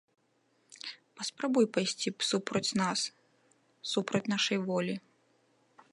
Паспрабуй пайсці супроць нас, супроць нашай волі.